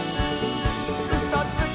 「うそつき！」